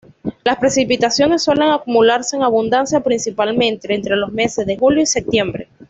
Las precipitaciones suelen acumularse en abundancia principalmente entre los meses de julio y septiembre.